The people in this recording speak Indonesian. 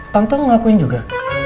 tante mau ngakuin juga